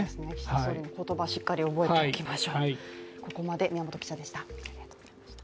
総理の言葉、しっかり覚えておきましょう。